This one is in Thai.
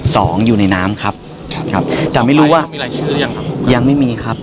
สองอยู่ในน้ำครับครับแต่ไม่รู้ว่ายังไม่มีครับ